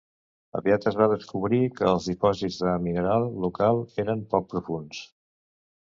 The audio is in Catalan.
Aviat es va descobrir que els dipòsits de mineral local eren poc profunds.